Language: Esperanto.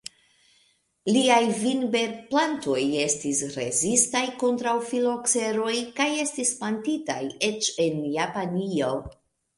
Liaj vinberplantoj estis rezistaj kontraŭ filokseroj kaj estis plantitaj eĉ en Japanio.